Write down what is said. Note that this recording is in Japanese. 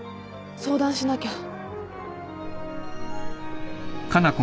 相談しなきゃ。